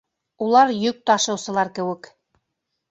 Улар йөк ташыусылар кеүек.